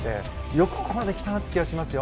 よくここまで来たなという気がしますよ。